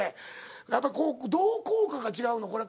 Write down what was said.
やっぱこうどう効果が違うのこれ。